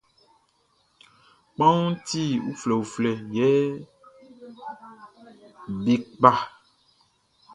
Kpanwunʼn ti uflɛuflɛ, yɛ be kpa.